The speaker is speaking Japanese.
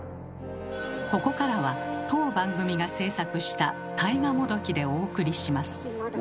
ここからは当番組が制作した大河もどきでお送りします。